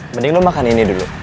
mending lo makan ini dulu